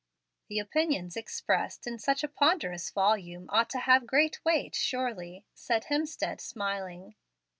"The opinions expressed in such a ponderous volume ought to have great weight, surely," said Hemstead, smiling.